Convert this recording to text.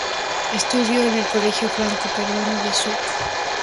Estudió en el Colegio Franco-Peruano de Surco.